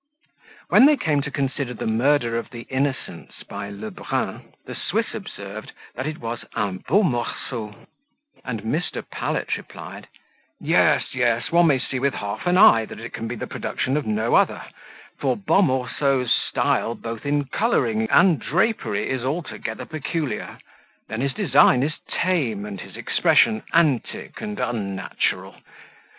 When they came to consider the Murder of the Innocents by Le Brun, the Swiss observed, that it was un beau morceau, and Mr. Pallet replied, "Yes, yes, one may see with half an eye, that it can be the production of no other; for Bomorso's style both in colouring and drapery, is altogether peculiar: then his design is tame, and his expression antic and unnatural.